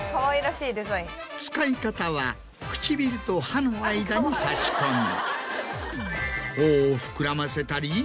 使い方は唇と歯の間に差し込み。